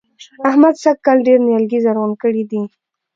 احمد سږ کال ډېر نيالګي زرغون کړي دي.